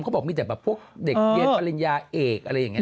เขาบอกมีแต่แบบพวกเด็กเรียนปริญญาเอกอะไรอย่างนี้